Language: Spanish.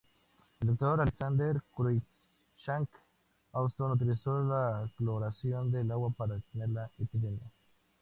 El Dr. Alexander Cruickshank Houston utilizó la cloración del agua para detener la epidemia.